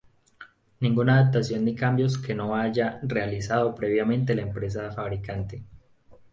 Ninguna adaptación ni cambios que no haya realizado previamente la empresa fabricante.